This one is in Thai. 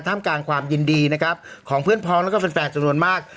กลางความยินดีนะครับของเพื่อนพร้อมแล้วก็แฟนจำนวนมาก